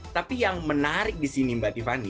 tapi yang menarik di sini mbak tiffany